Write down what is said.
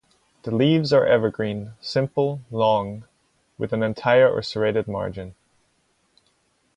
The leaves are evergreen, simple, long, with an entire or serrated margin.